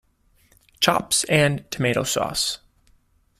Chops and tomato sauce.